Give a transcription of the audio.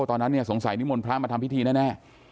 ตอนนั้นสงสัยนิมนต์พระมาทำพิธีแน่